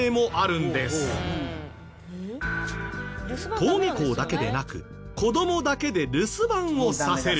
登下校だけでなく子どもだけで留守番をさせる。